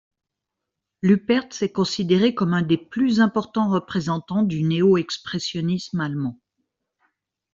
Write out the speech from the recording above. Lüpertz est considéré comme un des plus importants représentants du néo-expressionnisme allemand.